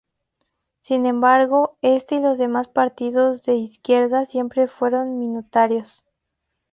Sin embargo, este y los demás partidos de izquierda siempre fueron minoritarios.